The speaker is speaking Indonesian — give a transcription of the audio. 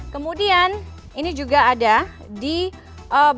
kemudian ini juga ada di banten